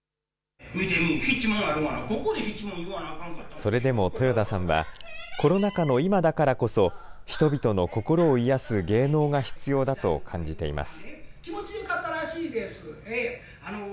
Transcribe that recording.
それでも豊田さんは、コロナ禍の今だからこそ、人々の心を癒やす芸能が必要だと感じています。